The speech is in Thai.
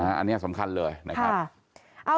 อันนี้สำคัญเลยนะครับ